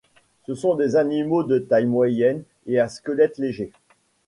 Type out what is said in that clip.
Ce sont des animaux de taille moyenne et à squelette léger.